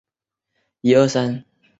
丈夫为医生汤于翰。